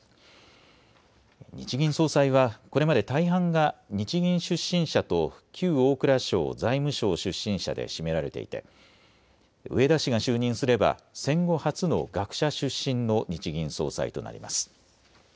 日銀総裁はこれまで大半が日銀出身者と旧大蔵省・財務省出身者で占められていて植田氏が就任すれば戦後初の学者出身の日銀総裁となります。